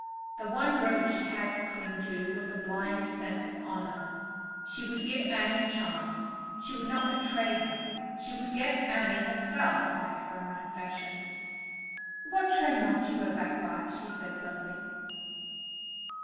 The one rope she had to cling to was a blind sense of honor. She would give Annie a chance, she would not betray her, she would get Annie herself to make her own confession. "What train must you go back by?" she said suddenly.